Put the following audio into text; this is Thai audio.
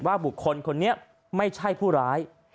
บุคคลคนนี้ไม่ใช่ผู้ร้าย